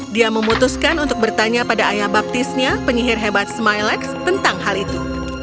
dia memutuskan untuk bertanya pada ayah baptisnya penyihir hebat smilex tentang hal itu